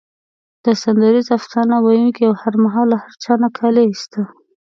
دا سندریز افسانه ویونکی او هر مهال له هر چا نه کالي ایسته.